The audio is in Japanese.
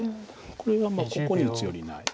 これはここへ打つよりない。